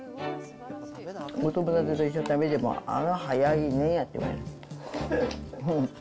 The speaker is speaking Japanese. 子どもたちと一緒に食べても、あら、早いねーって言われる。